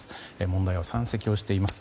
問題は山積をしています。